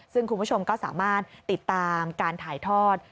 ซึ่งคุณผู้ชมก็สามารถติดตามการถ่ายทอด